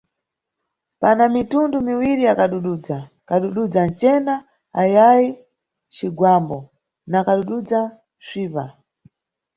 Pana mitundu miwiri ya kadududza: kadududza ncena ayayi cigwambo na kadududza psipa.